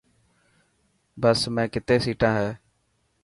بس ۾ ڪتي سيٽان هي.